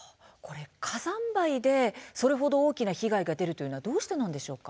火山灰で、それほど大きな被害が出るというのはどうしてなんでしょうか。